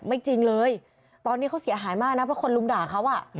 จริงเลยตอนนี้เขาเสียหายมากนะเพราะคนลุมด่าเขา